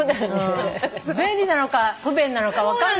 便利なのか不便なのか分かんないね。